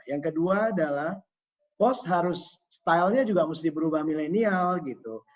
yang kedua adalah pos harus stylenya juga mesti berubah milenial gitu